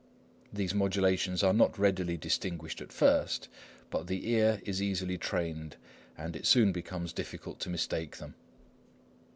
These modulations are not readily distinguished at first; but the ear is easily trained, and it soon becomes difficult to mistake them.